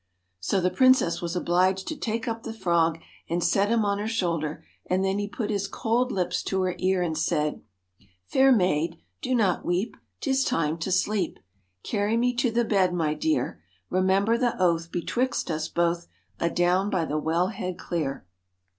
So the Princess was obliged to take up the frog and set him on her shoulder, and then he put his cold lips to her ear, and said * Fair maid, do not weep, 'tis time to sleep, Carry me to the bed, my dear. Remember the oath betwixt us both, Adown by the wellhead clear.'